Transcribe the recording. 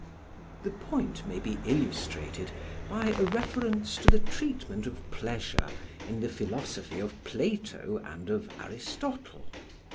The point may be illustrated by a reference to the treatment of pleasure in the philosophy of Plato and of Aristotle.